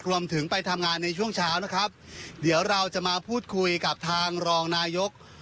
รวมถึงไปทำงานในช่วงเช้านะครับเดี๋ยวเราจะมาพูดคุยกับทางรองนายก